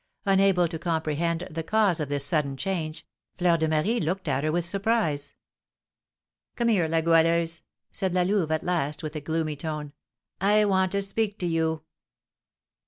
Unable to comprehend the cause of this sudden change, Fleur de Marie looked at her with surprise. "Come here, La Goualeuse," said La Louve at last, with a gloomy tone; "I want to speak to you."